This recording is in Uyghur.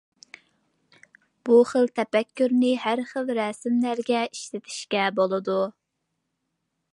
بۇ خىل تەپەككۇرنى ھەممە رەسىملەرگە ئىشلىتىشكە بولىدۇ.